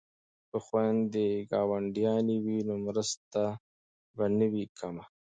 که خویندې ګاونډیانې وي نو مرسته به نه وي کمه.